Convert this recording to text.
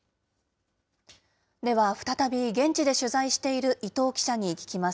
では、再び現地で取材している伊藤記者に聞きます。